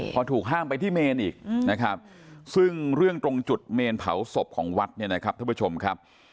พอถูกห้ามไปที่เมนอีกนะครับซึ่งเรื่องตรงจุดเมนเผาศพของวัดเนี่ยนะครับท่านผู้ชมครับ